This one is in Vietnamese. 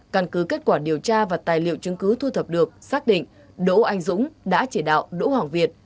căn cứ kết quả điều tra và tài liệu chứng cứ thu thập được xác định đỗ anh dũng đã chỉ đạo đỗ hoàng việt